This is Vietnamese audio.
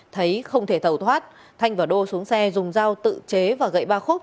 thấy không thể tàu thoát thanh và đô xuống xe dùng dao tự chế và gậy ba khúc